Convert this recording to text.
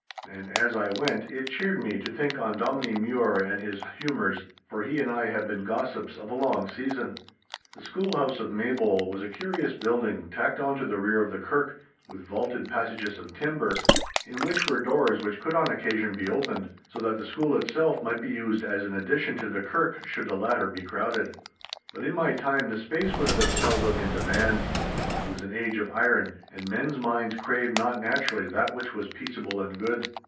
And as I went it cheered me to think on Dominie Mure and his humours, for he and I had been gossips of a long season. The schoolhouse of Maybole was a curious building tacked on to the rear of the kirk, with vaulted passages of timber, in which were doors which could on occasion be opened, so that the school itself might be used as an addition to the kirk should the latter be crowded. But in my time the space was but seldom in demand. It was an age of iron, and men's minds craved not naturally that which was peaceable and good.